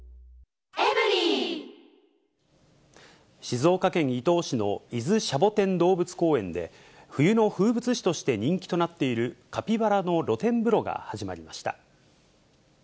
静岡県伊東市の伊豆シャボテン動物公園で、冬の風物詩として人気となっているカピバラの露天風呂が始まりました。